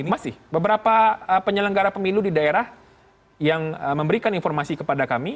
masih beberapa penyelenggara pemilu di daerah yang memberikan informasi kepada kami